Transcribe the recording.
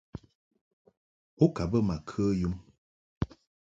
Bo ka bə ma kə yum.